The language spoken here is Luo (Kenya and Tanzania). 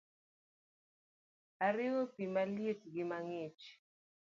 Ariwo pi maliet gi mang’ich